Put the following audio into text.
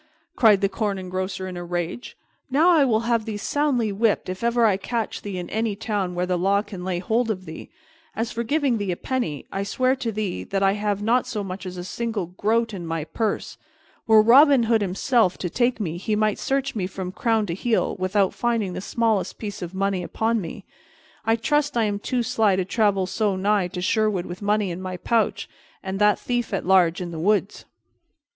cried the Corn Engrosser in a rage. "Now I will have thee soundly whipped if ever I catch thee in any town where the law can lay hold of thee! As for giving thee a penny, I swear to thee that I have not so much as a single groat in my purse. Were Robin Hood himself to take me, he might search me from crown to heel without finding the smallest piece of money upon me. I trust I am too sly to travel so nigh to Sherwood with money in my pouch, and that thief at large in the woods."